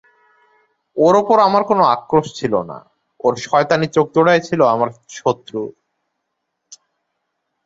ওর ওপর আমার কোনো আক্রোশ ছিল না, ওর শয়তানি চোখজোড়াই ছিল আমার শত্রু।